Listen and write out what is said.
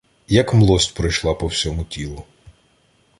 Як млость пройшла по всьому тілу: